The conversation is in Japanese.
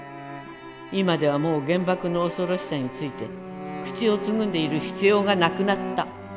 今ではもう原爆の怖ろしさについて口をつぐんでいる必要がなくなった。